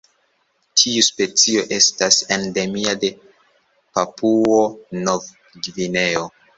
Tiu specio estas endemia de Papuo-Nov-Gvineo.